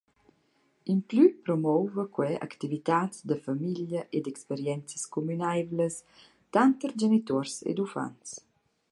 Implü promouva que activitats da famiglia ed experienzas cumünaivlas tanter genituors ed uffants.